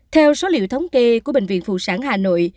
theo số liệu thống kê của bệnh viện phụ sản hà nội